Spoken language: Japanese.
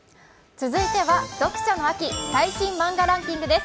続いては読書の秋、最新マンガランキングです。